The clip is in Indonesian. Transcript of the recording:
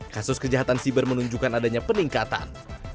kasus kejahatan siber menunjukkan adanya peningkatan